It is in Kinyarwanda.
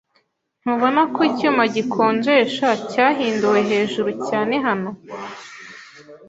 Ntubona ko icyuma gikonjesha cyahinduwe hejuru cyane hano?